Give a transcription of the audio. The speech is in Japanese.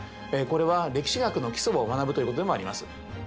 これは歴史学の基礎を学ぶということでもあります。